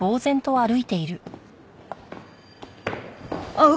あっ。